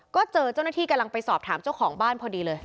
ก็เจอเจ้าหน้าที่กำลังไปสอบถามเจ้าของบ้านพอดีเลย